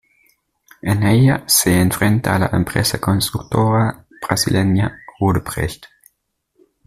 En ella, se enfrenta a la empresa constructora brasileña Odebrecht.